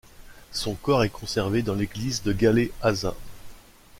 Son corps est conservé dans l'église de Galeazza.